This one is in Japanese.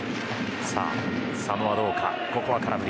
佐野はどうか。